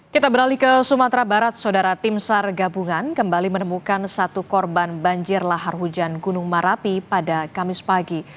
kita beralih ke sumatera barat saudara tim sar gabungan kembali menemukan satu korban banjir lahar hujan gunung merapi pada kamis pagi